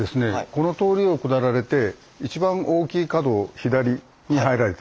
この通りを下られて一番大きい角を左に入られたら。